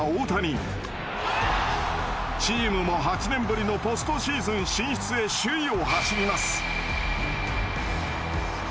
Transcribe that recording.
チームも８年ぶりのポストシーズン進出へ首位を走ります。